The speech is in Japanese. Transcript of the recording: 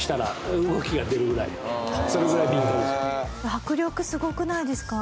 迫力すごくないですか？